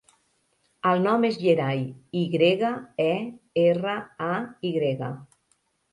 El nom és Yeray: i grega, e, erra, a, i grega.